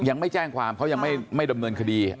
ยังไม่แจ้งความเขายังไม่ดำเนินคดี